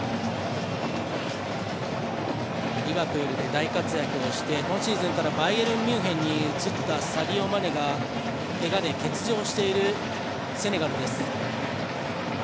リバプールで大活躍をして今シーズンからバイエルンミュンヘンに移ったサディオ・マネがけがで欠場しているセネガルです。